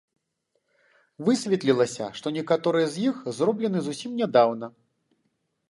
Высветлілася, што некаторыя з іх зроблены зусім нядаўна.